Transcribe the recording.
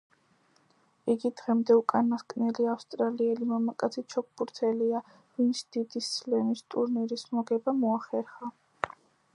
იგი დღემდე უკანასკნელი ავსტრალიელი მამაკაცი ჩოგბურთელია, ვინც დიდი სლემის ტურნირის მოგება მოახერხა.